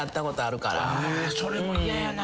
それも嫌やな。